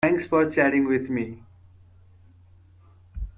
Thanks for chatting with me.